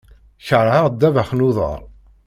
Keṛheɣ ddabex n uḍaṛ.